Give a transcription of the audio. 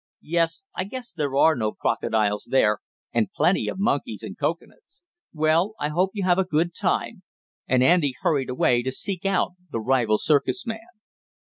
"Yes, I guess there are no crocodiles there, and plenty of monkeys and cocoanuts. Well, I hope you have a good time," and Andy hurried away to seek out the rival circus man.